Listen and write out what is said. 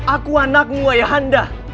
aku anakmu ayahanda